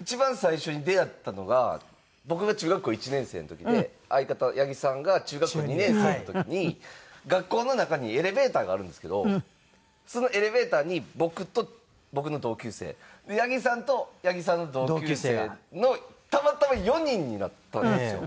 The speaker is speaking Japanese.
一番最初に出会ったのが僕が中学校１年生の時で相方八木さんが中学校２年生の時に学校の中にエレベーターがあるんですけどそのエレベーターに僕と僕の同級生八木さんと八木さんの同級生のたまたま４人になったんですよ。